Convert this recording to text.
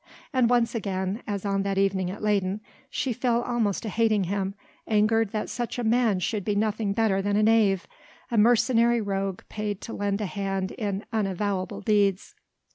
And once again as on that evening at Leyden she fell almost to hating him, angered that such a man should be nothing better than a knave, a mercenary rogue paid to lend a hand in unavowable deeds.